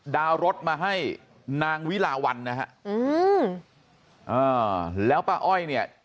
ดาวน์รถมาให้นางวิลาวันนะฮะอืมอ่าแล้วป้าอ้อยเนี่ย